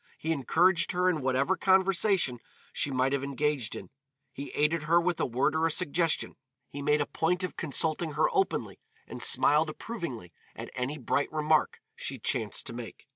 He encouraged her in whatever conversation she might have engaged in, he aided her with a word or a suggestion, he made a point of consulting her openly, and smiled approvingly at any bright remark she chanced to make.